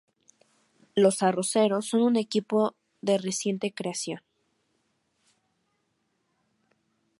Los "Arroceros" son un equipo de reciente creación.